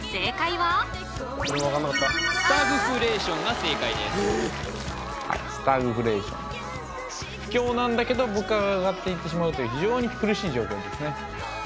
はいスタグフレーションです不況なんだけど物価が上がっていってしまうという非常に苦しい状況ですね